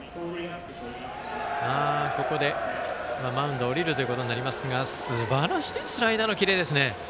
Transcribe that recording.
ここでマウンドを降りることになりますがすばらしいスライダーのキレですね。